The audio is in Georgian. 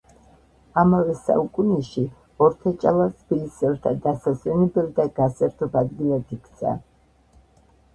ამავე საუკუნეში ორთაჭალა თბილისელთა დასასვენებელ და გასართობ ადგილად იქცა.